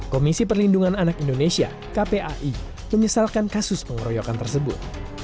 komisi perlindungan anak indonesia kpai menyesalkan kasus pengeroyokan tersebut